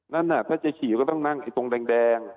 นั่นน่ะถ้าจะฉีกก็ต้องนั่งตรงแดง